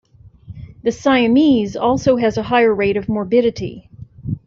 The Siamese also has a higher rate of morbidity.